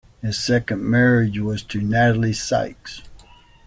His second marriage was to Natalie Sykes.